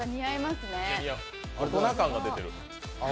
大人感が出てる。